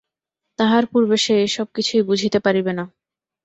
তাহার পূর্বে সে এইসব কিছুই বুঝিতে পারিবে না।